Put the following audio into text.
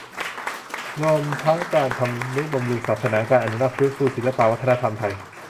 รวมทั้งการทำนุบำรุงศาสนา การอนุรักษ์ ฟื้นฟู ศิลปวัฒนธรรมไทย